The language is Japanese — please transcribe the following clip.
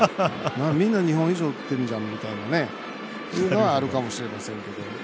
みんな２本以上打ってるじゃんみたいなのはあるかもしれませんけど。